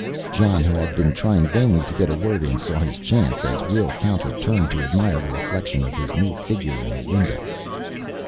Jon, who had been trying vainly to get in a word, saw his chance as Wil Counter turned to admire the reflection of his new figure in a window.